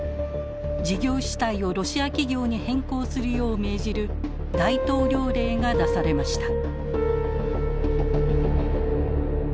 事業主体をロシア企業に変更するよう命じる大統領令が出されました。